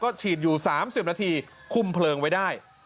ฉีดอยู่๓๐นาทีคุมเพลิงไว้ได้